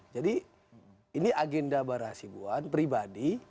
jadi ini agenda barra azibuan pribadi